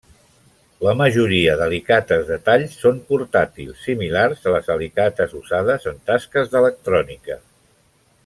La majoria d'alicates de tall són portàtils, similars a les alicates usades en tasques d'electrònica.